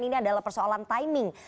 ini adalah persoalan timing